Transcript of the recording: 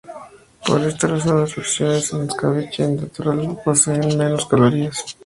Por esta razón las versiones en escabeche o al natural poseen menos calorías.